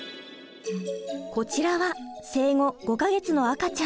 こちらは生後５か月の赤ちゃん。